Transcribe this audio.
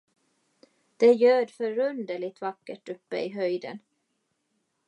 Det ljöd förunderligt vackert uppe i höjden.